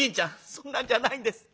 「そんなんじゃないんです。